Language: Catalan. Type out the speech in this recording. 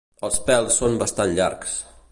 Els pèls són bastant llargs.